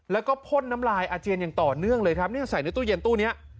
แล้วก็พ่นน้ำลายอาเจียนอย่างต่อเนื่องเลยครับเนี่ยใส่ในตู้เย็นตู้นี้